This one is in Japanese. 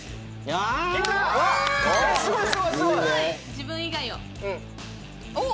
自分以外をおっ！